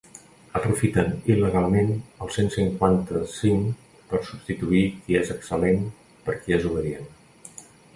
Aprofiten il·legalment el cent cinquanta-cinc per substituir qui és excel·lent per qui és obedient.